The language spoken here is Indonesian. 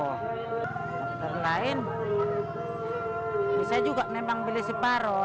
dokter lain bisa juga memang beli separoh